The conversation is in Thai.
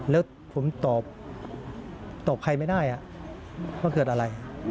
แล้วผมตอบใครไม่ได้ว่าเกิดอะไร